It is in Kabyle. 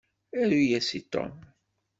Aru-yas i Tom!